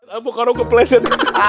amu karum kepleset